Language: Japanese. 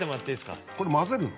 これ混ぜるの？